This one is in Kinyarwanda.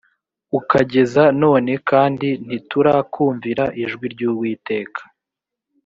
ukageza none kandi ntiturakumvira ijwi ry uwiteka